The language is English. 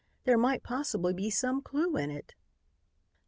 There might possibly be some clue in it."